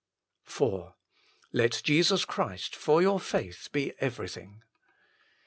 IV Let Jesus Christ for your faith ~be everything.